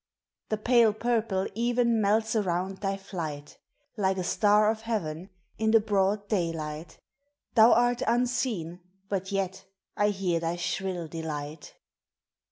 The pale purple even Melts around thy flight; Like a star of heaven, In the broad daylight Thou art unseen, but yet I hear thy shrill delight.